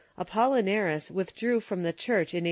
Apollinaris withdrew from the Church in a.